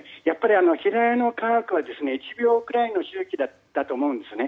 平屋の家屋は１秒くらいの周期だったと思うんですね。